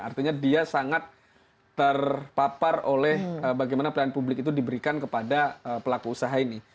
artinya dia sangat terpapar oleh bagaimana pelayanan publik itu diberikan kepada pelaku usaha ini